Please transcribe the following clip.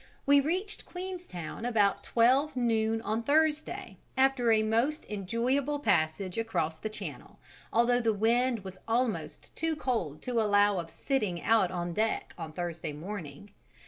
We reached Queenstown about 12 noon on Thursday, after a most enjoyable passage across the Channel, although the wind was almost too cold to allow of sitting out on deck on Thursday morning.